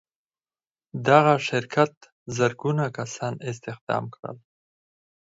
دغه شرکت زرګونه کسان استخدام کړل.